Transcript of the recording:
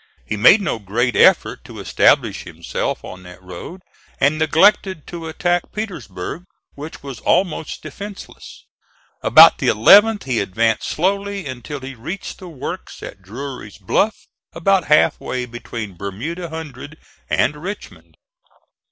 He made no great effort to establish himself on that road and neglected to attack Petersburg, which was almost defenceless. About the 11th he advanced slowly until he reached the works at Drury's Bluff, about half way between Bermuda Hundred and Richmond.